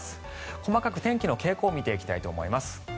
細かく天気の傾向を見ていきたいと思います。